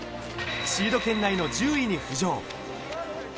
シード圏内の１０位に浮上。